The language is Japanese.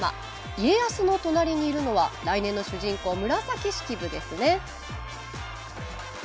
家康の隣にいるのは来年の主人公、紫式部ですね。